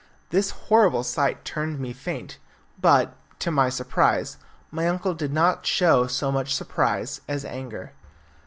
This horrible sight turned me faint, but, to my surprise, my uncle did not show so much surprise as anger.